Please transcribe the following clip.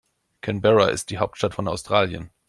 Canberra ist die Hauptstadt von Australien.